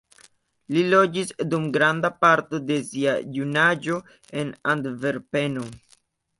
Li loĝis dum granda parto de sia junaĝo en Antverpeno.